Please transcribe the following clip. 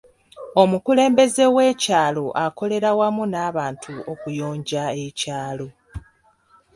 Omukulembeze w'ekyalo akolera wamu n'abantu okuyonja ekyalo.